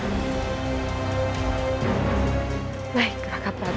baik raka prabang